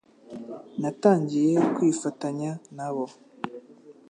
Natangiye kwifatanya na bo,